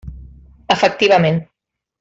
Efectivament.